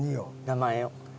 名前を。